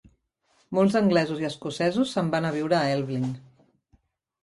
Molts anglesos i escocesos se'n van anar a viure a Elbling.